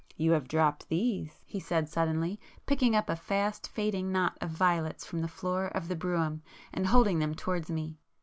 "You have dropped these,"—he said suddenly, picking up a fast fading knot of violets from the floor of the brougham and holding them towards me.